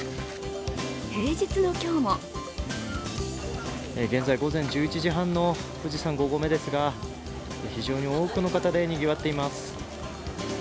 平日の今日も現在午前１１時半の富士山５合目ですが、非常に多くの方でにぎわっています。